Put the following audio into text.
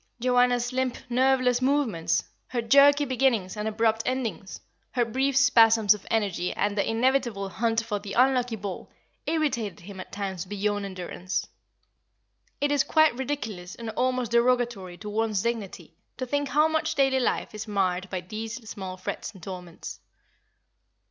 Joanna's limp, nerveless movements, her jerky beginnings and abrupt endings, her brief spasms of energy, and the inevitable hunt for the unlucky ball, irritated him at times beyond endurance. It is quite ridiculous and almost derogatory to one's dignity to think how much daily life is marred by these small frets and torments.